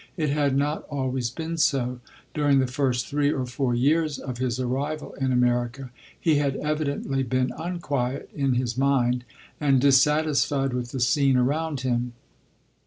It had not always been so. During the first three or four years of his arrival in America, he had evidently been unquiet in his mind, and dissa tisfied with the scene around him.